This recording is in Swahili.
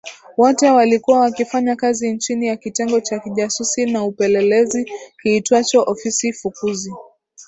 Wote walikuwa wakifanya kazi chini ya kitengo cha kijasusi na upelelezi kiitwacho ofisi fukuzi